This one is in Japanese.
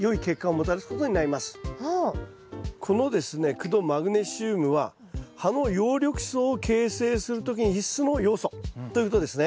苦土マグネシウムは葉の葉緑素を形成する時に必須の要素ということですね。